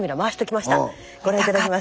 ご覧頂きます。